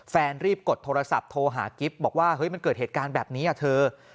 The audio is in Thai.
รีบกดโทรศัพท์โทรหากิ๊บบอกว่าเฮ้ยมันเกิดเหตุการณ์แบบนี้เธอ